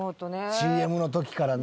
ＣＭの時からね。